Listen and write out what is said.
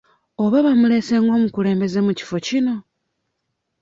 Oba baamuleese ng'omukulembeze mu kifo kino?